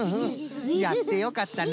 やってよかったな。